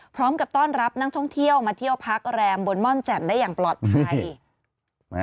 พร้อมกับต้อนรับนักท่องเที่ยวมาเที่ยวพักแรมบนม่อนแจ่มได้อย่างปลอดภัย